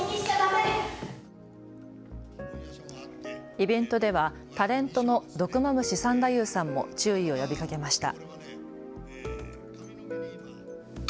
イベントではタレントの毒蝮三太夫さんも注意を呼びかけました。